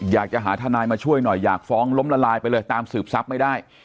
อยากจะหาทนายมาช่วยหน่อยอยากฟ้องล้มละลายไปเลยตามสืบทรัพย์ไม่ได้